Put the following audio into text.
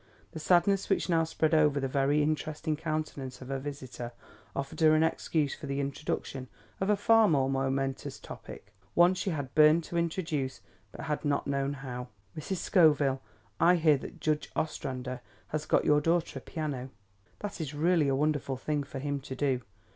The sadness which now spread over the very interesting countenance of her visitor, offered her an excuse for the introduction of a far more momentous topic; one she had burned to introduce but had not known how. "Mrs. Scoville, I hear that Judge Ostrander has got your daughter a piano. That is really a wonderful thing for him to do.